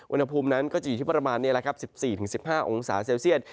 อุณหภูมินั้นก็จะอยู่ที่ประมาณ๑๔๑๕องศาเซลเซียต